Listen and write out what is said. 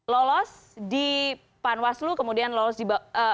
lolos di panwaslu kemudian lolos di